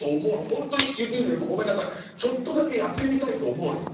ほんとに雪国の人ごめんなさいちょっとだけやってみたいと思うのよ。